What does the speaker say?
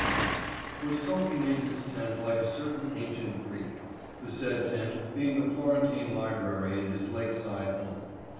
P.," was sulking in his tent like a certain ancient Greek, the said tent being the Florentine library in his lake side home.